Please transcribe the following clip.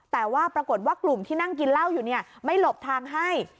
แต่ว่าปรากฏว่ากลุ่มที่นั่งกินเหล้าอยู่เนี่ยไม่หลบทางให้